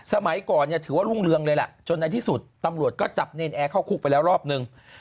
สมัยก่อนเนี่ยถือว่ารุ่งเรืองเลยล่ะจนในที่สุดตำรวจก็จับเนรนแอร์เข้าคุกไปแล้วรอบนึง